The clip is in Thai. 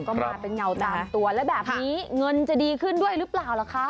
ก็มาเป็นเงาตามตัวแล้วแบบนี้เงินจะดีขึ้นด้วยหรือเปล่าล่ะคะ